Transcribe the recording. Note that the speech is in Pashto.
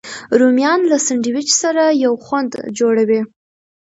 رومیان له سنډویچ سره یو خوند جوړوي